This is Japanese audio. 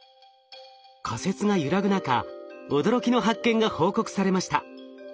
仮説が揺らぐ中驚きの発見が報告されました。